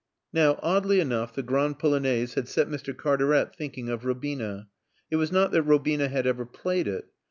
Now, oddly enough, the Grande Polonaise had set Mr. Cartaret thinking of Robina. It was not that Robina had ever played it.